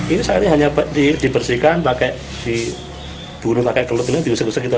ini seharian hanya dibersihkan dibunuh pakai kelut dan diusir usir gitu